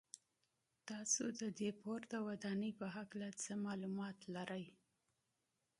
تاسو د دې پورته ودانۍ په هکله څه معلومات لرئ.